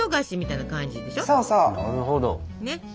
なるほど。